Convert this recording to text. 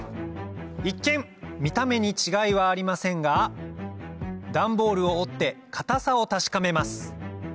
一見見た目に違いはありませんがダンボールを折って硬さを確かめます